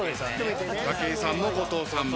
武井さんも後藤さんも。